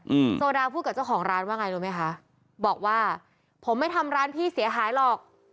อืมโซดาพูดกับเจ้าของร้านว่าไงรู้ไหมคะบอกว่าผมไม่ทำร้านพี่เสียหายหรอก